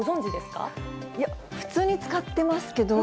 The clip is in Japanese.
いや、普通に使ってますけど。